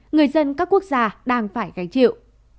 người dân các quốc gia đang phải gánh chịu